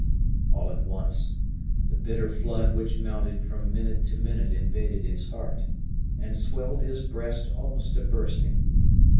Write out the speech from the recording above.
All at once the bitter flood which mounted from minute to minute invaded his heart, and swelled his breast almost to bursting.